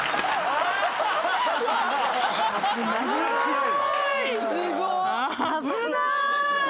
危ない。